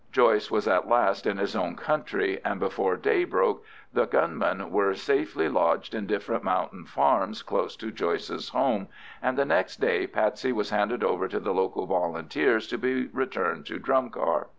Joyce was at last in his own country, and before day broke the gunmen were safely lodged in different mountain farms close to Joyce's home, and the next day Patsy was handed over to the local Volunteers to be returned to Drumcar.